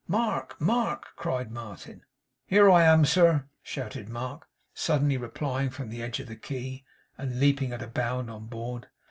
'Mark! Mark!' cried Martin. 'Here am I, sir!' shouted Mark, suddenly replying from the edge of the quay, and leaping at a bound on board.